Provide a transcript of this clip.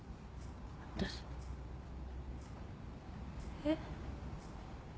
えっ？